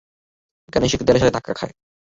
এখানে এসে একটি দেয়ালের সাথে ধাক্কা খায়।